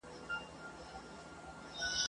معلم وپوښتی حکمت په زنګوله کي ,